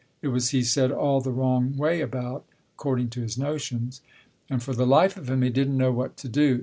It was, he said, all the wrong way about, according to his notions. And for the life of him he didn't know what to do.